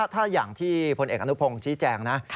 ถ้าอย่างที่พลเอกอนุพงศ์ชี้แจงนะ